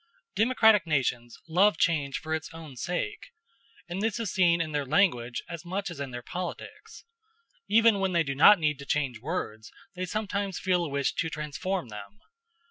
Democratic nations love change for its own sake; and this is seen in their language as much as in their politics. Even when they do not need to change words, they sometimes feel a wish to transform them.